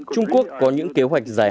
trung quốc có những kế hoạch giải quyết